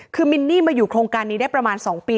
คือมินนี่มาอยู่โครงการนี้ได้ประมาณ๒ปี